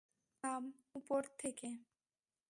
নাম উপর থেকে।